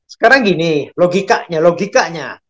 sekarang gini logikanya logikanya